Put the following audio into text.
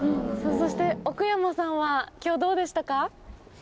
そして奥山さんはきょう、どうでしたか。